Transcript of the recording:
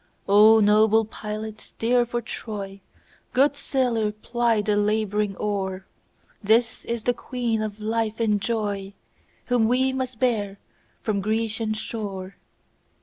O noble pilot steer for Troy, Good sailor ply the labouring oar, This is the Queen of life and joyWhom we must bear from Grecian shore!